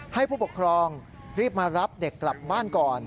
ให้ผู้ปกครองรีบมารับเด็กกลับบ้านก่อน